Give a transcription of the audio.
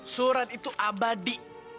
surat itu abadi